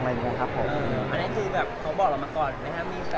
มีแบบรอบยังไง